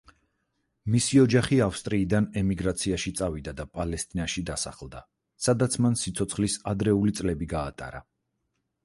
მისი ოჯახი, ავსტრიიდან ემიგრაციაში წავიდა და პალესტინაში დასახლდა, სადაც მან სიცოცხლის ადრეული წლები გაატარა.